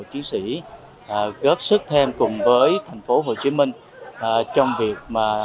chiến sĩ góp sức thêm cùng với thành phố hồ chí minh trong việc